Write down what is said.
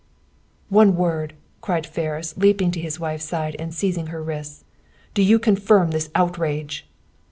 "One word!" cried Ferris, leaping to his wife's side, and seizing her wrists. "Do you confirm this outrage?"